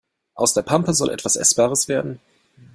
Aus der Pampe soll etwas Essbares werden?